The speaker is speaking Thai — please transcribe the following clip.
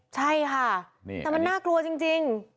ใช่ค่ะแต่มันน่ากลัวจริง